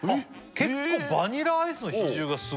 結構バニラアイスの比重がすごいね